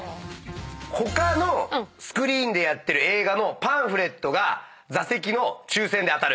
他のスクリーンでやってる映画のパンフレットが座席の抽選で当たる。